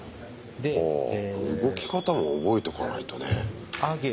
ほう動き方も覚えとかないとね。